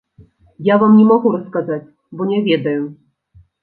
Я вам не магу расказаць, бо не ведаю.